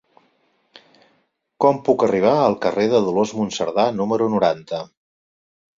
Com puc arribar al carrer de Dolors Monserdà número noranta?